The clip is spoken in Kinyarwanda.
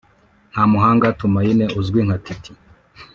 Ntamuhanga Tumaine uzwi nka Tity